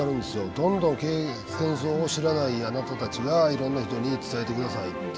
どんどん戦争を知らないあなたたちがいろんな人に伝えて下さいっていうんで。